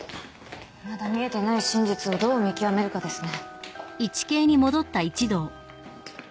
まだ見えてない真実をどう見極めるかですね。